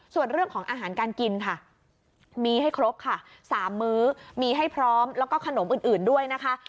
ส่วนเรื่องของอาหารการกินค่ะมีให้ครบค่ะ๓มื้อมีให้พร้อมแล้วก็ขนมอื่นด้วยนะคะ